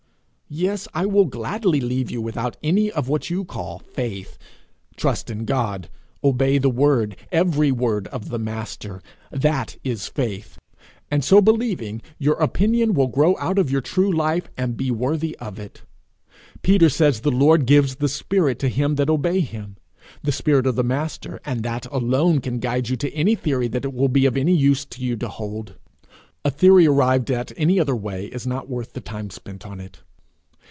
Yes, I will gladly leave you without any of what you call faith. Trust in God. Obey the word every word of the Master. That is faith; and so believing, your opinion will grow out of your true life, and be worthy of it. Peter says the Lord gives the spirit to them that obey him: the spirit of the Master, and that alone, can guide you to any theory that it will be of use to you to hold. A theory arrived at any other way is not worth the time spent on it.